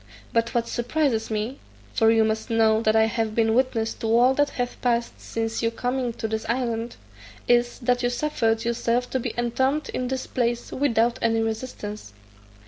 But what surprises me (for you must know that I have been witness to all that hath passed since your coming into this island), is, that you suffered yourself to be entombed in this place without any resistance."